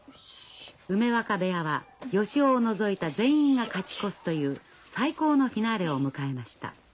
梅若部屋は芳夫を除いた全員が勝ち越すという最高のフィナーレを迎えました。